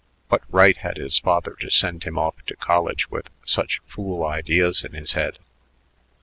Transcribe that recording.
What right had his father to send him off to college with such fool ideas in his head?